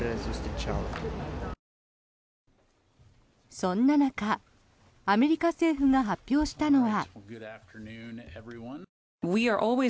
そんな中アメリカ政府が発表したのは。